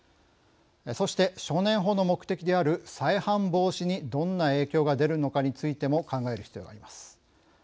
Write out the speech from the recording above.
そして少年法の目的である再犯防止にどんな影響が出るのかについても考える必要があります。